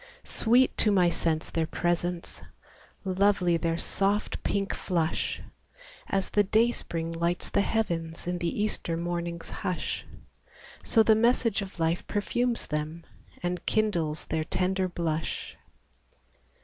Sweet to my sense their presence, Lovely their soft pink flush! In the Easter mornings hush So the message of life perfumes them, And kindles their tender blush.